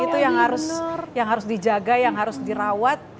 itu yang harus dijaga yang harus dirawat